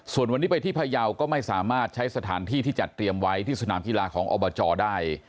ส่วนวันนี้ไปที่พยาวก็ไม่สามารถใช้สถานที่ที่จัดเตรียมไว้ที่สนามกีฬาของอบจได้